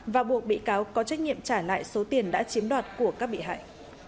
và buộc bị cáo có trách nhiệm trả lại số tiền đã chiếm đoạt của các bị hại